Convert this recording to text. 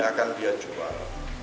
akan dia jual